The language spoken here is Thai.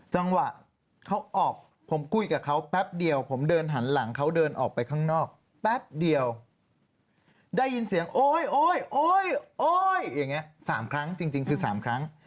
จังหวะเขาออกผมคุยกับเขาแป๊บเดียวผมเดินหันหลังเขาเดินออกไปข้างนอกแป๊บเดียวได้ยินเสียงโอ๊ยโอ๊ยโอ๊ยโอ๊ยอย่างนี้๓ครั้งจริงคือ๓ครั้ง